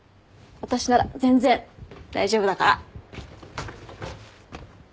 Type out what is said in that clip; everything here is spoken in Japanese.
私なら全然大丈夫だから。